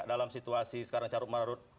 dalam situasi sekarang carut marut